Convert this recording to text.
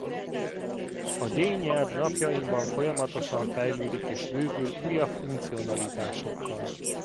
A D nyelv napjainkban folyamatosan fejlődik és bővül újabb funkcionalitásokkal.